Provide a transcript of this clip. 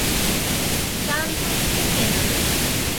ちゃんと付けてる？